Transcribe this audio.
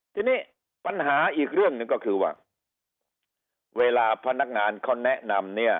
ทีนี้ปัญหาอีกเรื่องหนึ่งก็คือว่าเวลาพนักงานเขาแนะนำเนี่ย